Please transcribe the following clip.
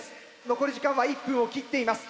残り時間は１分を切っています。